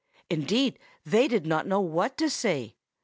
Indeed, they did not know what to say.